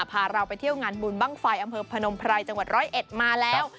พาเราไปเที่ยวงานบุญบ้างไฟอำเภอพนมไพรจังหวัดร้อยเอ็ดมาแล้ว